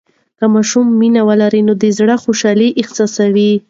که ماشومان مینه ولري، نو د زړه خوشالي احساسوي.